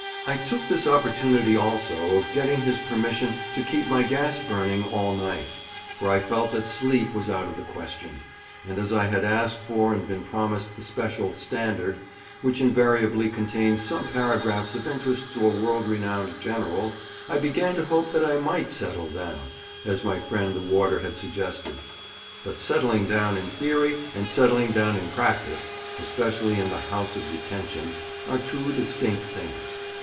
I took this opportunity also of getting his permission to keep my gas burning all night, for I felt that sleep was out of the question; and as I had asked for and been promised the special Standard, which invariably contains some paragraphs of interest of a world renowned General's, I began to hope that I might "settle down," as my friend the warder had suggested. But settling down in theory and settling down in practice, especially in the "House of Detention," are two distinct things.